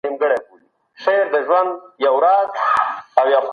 قومي تعصب د هېواد د تباهۍ لامل ګرځي.